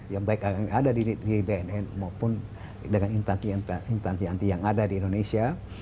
yang baik ada di bnn maupun dengan instansi anti yang ada di indonesia